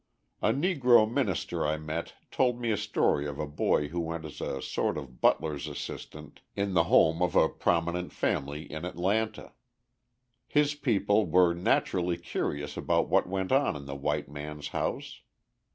A Negro minister I met told me a story of a boy who went as a sort of butler's assistant in the home of a prominent family in Atlanta. His people were naturally curious about what went on in the white man's house.